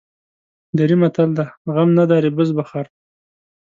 دري متل دی: غم نداری بز بخر.